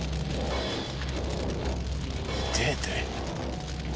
痛えて。